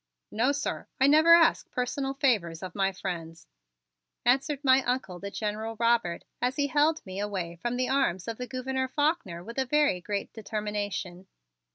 "No, sir, I never ask personal favors of my friends," answered my Uncle, the General Robert, as he held me away from the arms of the Gouverneur Faulkner with a very great determination.